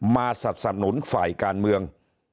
มาสนับสนุนภัยการเมือง